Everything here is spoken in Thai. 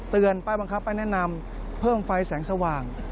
ป้ายบังคับป้ายแนะนำเพิ่มไฟแสงสว่าง